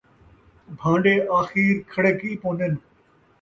بھانڈے آخیر کھڑک ءِی پوندن